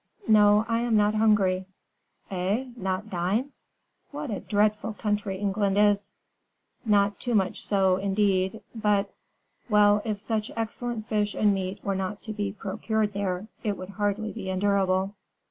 "No; I am not hungry." "Eh! not dine? What a dreadful country England is!" "Not too much so, indeed but " "Well, if such excellent fish and meat were not to be procured there, it would hardly be endurable."